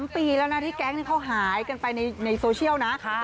ปีแล้วนะที่แก๊งเขาหายกันไปในโซเชียลนะ